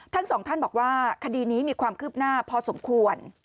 ทั้งสองท่านบอกว่าคดีนี้มีความคืบหน้าพอสมควร